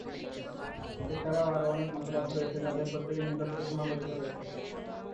এছাড়াও, আরো অনেক মতবাদ রয়েছে যাদের প্রত্যেকেরই নিজস্ব সীমাবদ্ধতা রয়েছে।